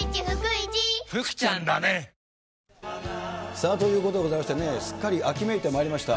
さあ、ということでございましてね、すっかり秋めいてまいりました。